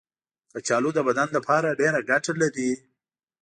کچالو د بدن لپاره ډېره ګټه لري.